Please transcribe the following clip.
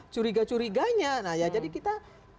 curiga curiganya nah ya jadi kita